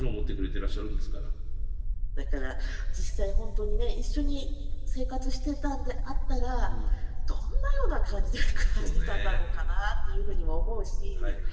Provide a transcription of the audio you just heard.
だから実際ほんとにね一緒に生活してたんであったらどんなような感じで暮らしてたんだろうかなっていうふうにも思うし。